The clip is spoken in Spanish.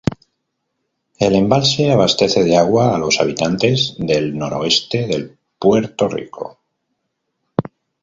El embalse abastece de agua a los habitantes del noroeste de Puerto Rico.